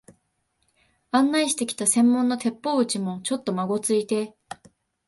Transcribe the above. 案内してきた専門の鉄砲打ちも、ちょっとまごついて、